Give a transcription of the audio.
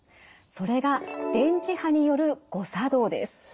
それが電磁波による誤作動です。